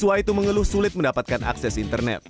siswa itu mengeluh sulit mendapatkan akses internet